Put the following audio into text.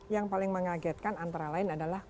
yang paling mengagetkan antara lain adalah